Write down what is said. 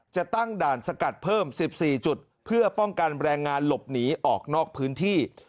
จะตั้งด่านสกัดเพิ่ม๑๔จุดเพื่อป้องกันแรงงานหลบหนีออกนอกพื้นที่